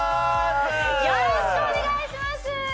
よろしくお願いします！